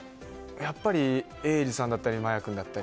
やっぱり永嗣さんだったり麻也さんだったり。